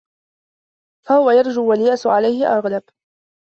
فَهُوَ يَرْجُو وَالْيَأْسُ عَلَيْهِ أَغْلَبُ